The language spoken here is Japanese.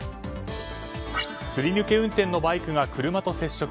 すり抜け運転のバイクが車と接触。